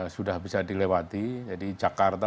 sudah bisa dilewati jadi jakarta